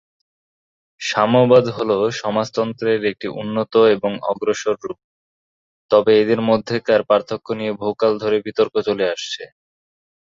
সাম্যবাদ হল সমাজতন্ত্রের একটি উন্নত এবং অগ্রসর রূপ, তবে এদের মধ্যেকার পার্থক্য নিয়ে বহুকাল ধরে বিতর্ক চলে আসছে।